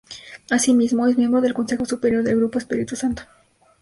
Asimismo, es miembro del Consejo Superior del Grupo Espírito Santo.